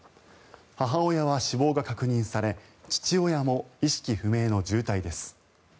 母親は死亡が確認され父親も意識不明の重体です。